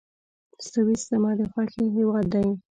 سویس زما د خوښي هېواد دی.